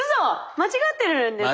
間違ってるんですか？